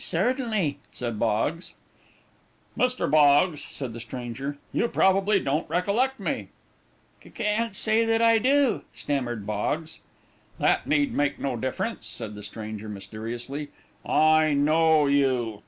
"C c certainly," said Boggs. "Mr. Boggs," said the stranger, "you probably don't recollect me." "C can't say that I do," stammered Boggs. "That need make no difference," said the stranger, mysteriously. "I know you."